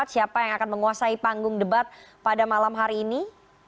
siapa yang akan menguasai panggung debat pada malam hari ini